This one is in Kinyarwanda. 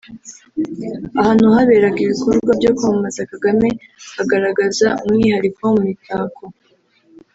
ahantu haberaga ibikorwa byo kwamamaza Kagame hagaragazaga umwihariko mu mitako